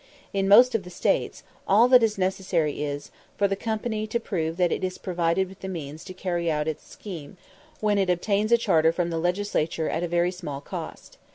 In most of the States, all that is necessary is, for the company to prove that it is provided with means to carry out its scheme, when it obtains a charter from the Legislature at a very small cost.